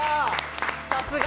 さすが！